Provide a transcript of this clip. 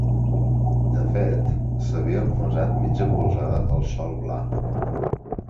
De fet, s'havia enfonsat mitja polzada al sòl bla.